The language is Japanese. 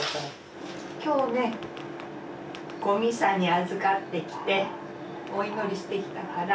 今日ねごミサにあずかってきてお祈りしてきたから。